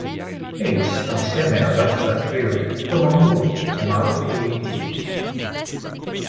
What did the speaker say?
Ace assieme ad Abstract Rude, forma un duo chiamato A Team.